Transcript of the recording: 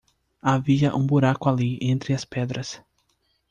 Havia um buraco ali entre as pedras.